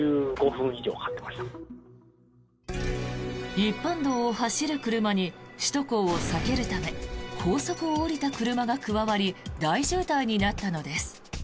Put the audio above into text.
一般道を走る車に首都高を避けるため高速を降りた車が加わり大渋滞になったのです。